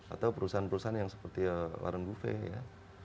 atau perusahaan perusahaan yang seperti warren buffet ya